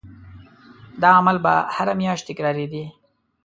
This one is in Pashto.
دا عمل به هره میاشت تکرارېدی.